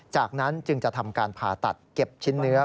จากนั้นจึงจะทำการผ่าตัดเก็บชิ้นเนื้อ